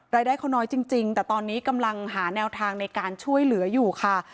รายได้เขาน้อยจริงแต่ตอนนี้กำลังหาแนวทางในการช่วยเหลืออยู่ค่ะ